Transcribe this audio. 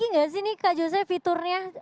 ada lagi gak sih nih kak jose fiturnya